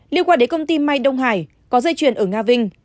liên quan đến công ty may đông hải có dây chuyền ở nga vinh